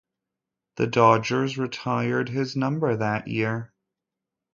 The Dodgers retired his number that year.